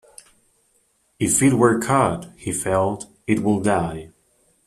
If it were cut, he felt, it would die.